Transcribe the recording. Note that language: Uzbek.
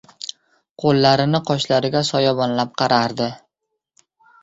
Qo‘llarini qoshlariga soyabonlab qaradi.